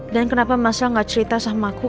dan kenapa mas al gak cerita sama aku